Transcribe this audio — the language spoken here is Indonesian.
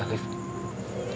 aku sudah sapp